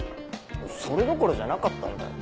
それどころじゃなかったんだよ。